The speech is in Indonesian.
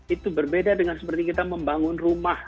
itu berbeda dengan seperti kita membangun rumah